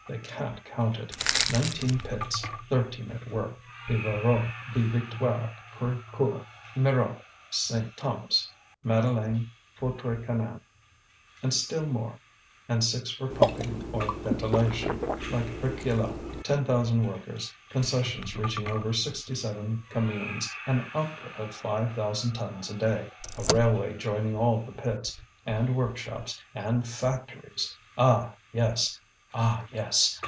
They can't count it. Nineteen pits, thirteen at work, the Voreux, the Victoire, Crévecoeur, Mirou, St. Thomas, Madeleine, Feutry Cantel, and still more, and six for pumping or ventilation, like Réquillart. Ten thousand workers, concessions reaching over sixty seven communes, an output of five thousand tons a day, a railway joining all the pits, and workshops, and factories! Ah, yes! ah, yes!